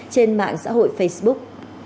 trên mạng xã hội facebook